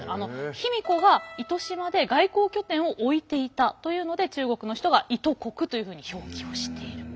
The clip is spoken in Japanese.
卑弥呼が糸島で外交拠点を置いていたというので中国の人が伊都國というふうに表記をしている。